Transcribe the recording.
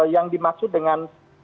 yang dimaksud dengan